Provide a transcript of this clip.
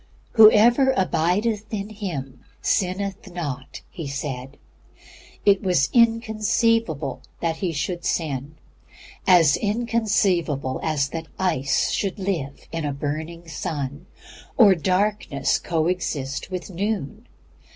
"Whosoever abideth in Him sinneth not," he said. It was inconceivable that he should sin, as inconceivable as that ice should live in a burning sun, or darkness coexist with noon.